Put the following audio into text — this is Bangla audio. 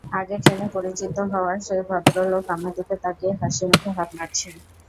আগের ট্রেনে পরিচিত হওয়া সেই ভদ্রলোক আমার দিকে তাকিয়ে হাসিমুখে হাত নাড়ছেন।